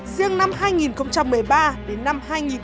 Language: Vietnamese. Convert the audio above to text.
riêng năm hai nghìn một mươi ba đến năm hai nghìn một mươi